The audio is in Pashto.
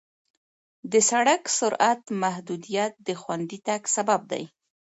د سړک سرعت محدودیت د خوندي تګ سبب دی.